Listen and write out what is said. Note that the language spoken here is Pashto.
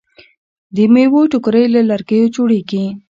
د میوو ټوکرۍ له لرګیو جوړیږي.